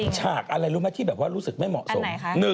ฉากอะไรรู้มั้ยที่รู้สึกไม่เหมาะสม